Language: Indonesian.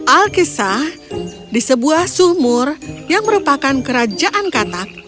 alkisah di sebuah sumur yang merupakan kerajaan katak